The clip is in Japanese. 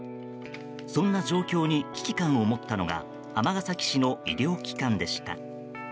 そんな状況に危機感を持ったのが尼崎市の医療機関でした。